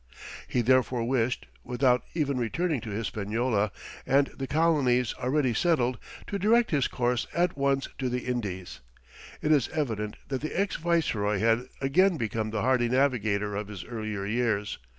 He therefore wished, without even returning to Hispaniola and the colonies already settled, to direct his course at once to the Indies. It is evident that the ex Viceroy had again become the hardy navigator of his earlier years.